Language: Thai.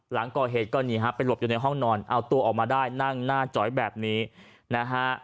หลังก่อเหตุก็หนีฮะไปหลบอยู่ในห้องนอนเอาตัวออกมาได้นั่งหน้าจอยแบบนี้นะฮะ